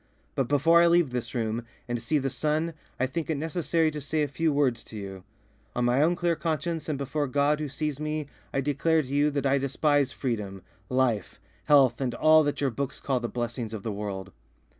But before I leave this room and see the sun I think it necessary to say a few words to you. On my own clear conscience and before God who sees me I declare to you that I despise freedom, life, health, and all that your books call the blessings of the world.